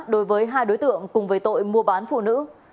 đối với hai đối tượng cùng với tội mua bán phụ nữ